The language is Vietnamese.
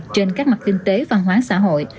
trên các mặt kinh tế văn hóa xã hội